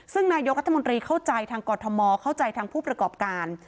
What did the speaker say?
ซึ่งนายกรัฐมนตรีเข้าใจทางกรทมเข้าใจทางผู้ประกอบการ